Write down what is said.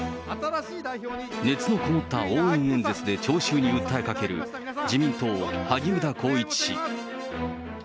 熱のこもった応援演説で聴衆に訴えかける、自民党、萩生田光一氏。